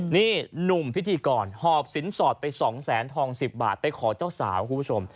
นี่หนุ่มพิธีกรหอบสินสอดไป๒แสนทอง๑๐บาทไปขอเจ้าสาวคุณผู้ชม